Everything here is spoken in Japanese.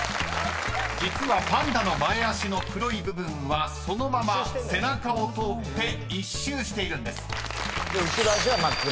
［実はパンダの前脚の黒い部分はそのまま背中を通って１周しているんです］で後ろ脚は真っ黒。